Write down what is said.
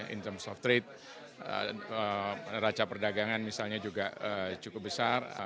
in terms of trade raca perdagangan misalnya juga cukup besar